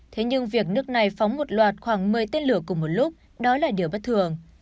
thế nhưng việc nước này phóng một loạt khoảng một mươi tên lửa cùng một lúc đó là điều bất thường